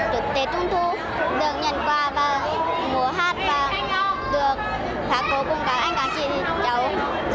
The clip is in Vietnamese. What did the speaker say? tuyệt tế trung thu được nhận quà và mùa hát và được thả cố cùng các anh các chị